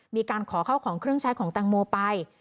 มีการขอเข้าของเครื่องใช้ของแตงโมไป